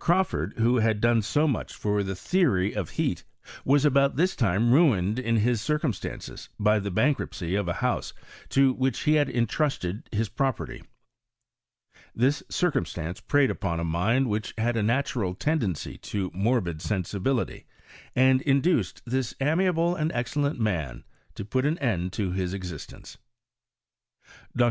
Crawford, who had doDe so much for the theory of heat, was about this time ruined iu his circumstances by [he bank ruptcy of a house to which he had intrusted his property. This circumstance preyed upon a mind which had a natural tendency to morbid sensibility, and induced this amiable and excellent mao to put an end to his existence. Dr.